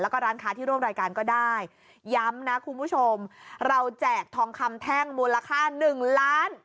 แล้วก็ร้านค้าที่ร่วมรายการก็ได้ย้ำนะคุณผู้ชมเราแจกทองคำแท่งมูลค่าหนึ่งล้าน